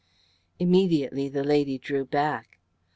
Immediately the lady drew back.